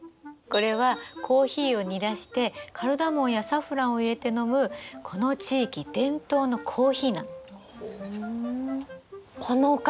これはコーヒーを煮出してカルダモンやサフランを入れて飲むこの地域伝統のコーヒーなの。